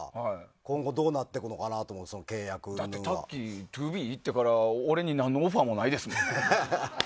今後どうなっていくのかなってだって、タッキーＴＯＢＥ行ってから俺に、何のオファーもないですもん。